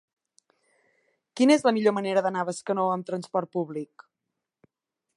Quina és la millor manera d'anar a Bescanó amb trasport públic?